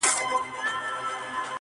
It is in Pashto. د زمان سره سم بدلون وکړي